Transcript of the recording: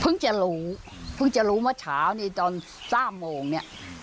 จะรู้เพิ่งจะรู้เมื่อเช้านี่ตอน๓โมงเนี่ย